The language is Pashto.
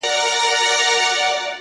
ته خو دا ټول کاينات خپله حافظه کي ساتې;